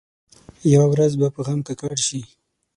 یوه ورځ به په غم ککړ شي.